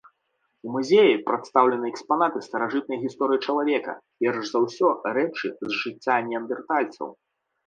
У музеі прадстаўлены экспанаты старажытнай гісторыі чалавека, перш за ўсё, рэчы з жыцця неандэртальцаў.